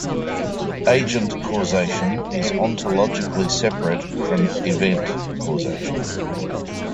Agent causation is ontologically separate from event causation.